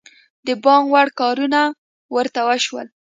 د پام وړ کارونه ورته وشول.